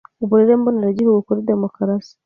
Uburere mboneragihugu kuri demokarasi